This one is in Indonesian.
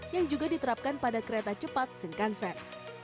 yang juga diterapkan pada kereta cepat singkanset